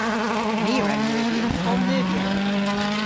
My a wra neuvya y'n poll-neuvya.